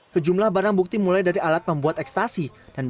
sejumlah barang bukti mulai dari alat pembuat ekstasi